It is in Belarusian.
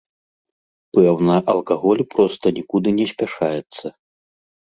Пэўна, алкаголь проста нікуды не спяшаецца.